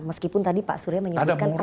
meskipun tadi pak surya menyebutkan